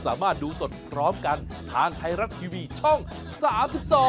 สวัสดีค่ะ